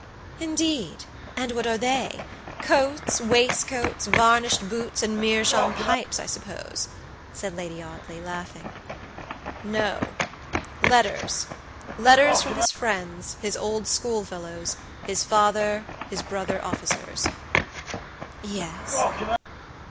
"Indeed! and what are they? Coats, waistcoats, varnished boots, and meerschaum pipes, I suppose," said Lady Audley, laughing. "No; lettersletters from his friends, his old schoolfellows, his father, his brother officers." "Yes?"